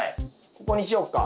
ここにしよっか。